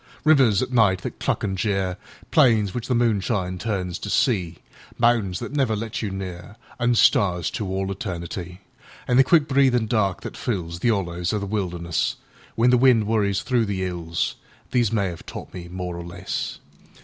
Rivers at night that cluck an' jeer, Plains which the moonshine turns to sea, Mountains that never let you near, An' stars to all eternity; An' the quick breathin' dark that fillsThe 'ollows of the wilderness, When the wind worries through the 'ills—These may 'ave taught me more or less.